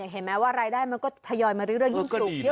เห็นมั้ยกูไทยได้มันตายอยมาเรื่อยยืมถูกเยอะ